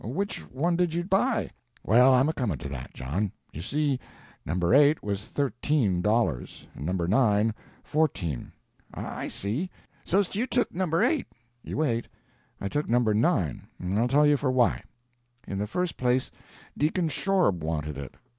Which one did you buy?" "Well, I'm a comin' to that, John. You see, No. 8 was thirteen dollars, No. 9 fourteen " "I see. So's't you took No. 8." "You wait. I took No. 9. And I'll tell you for why. In the first place, Deacon Shorb wanted it.